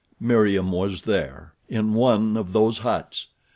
Meriem was there—in one of those huts!